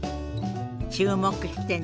注目してね。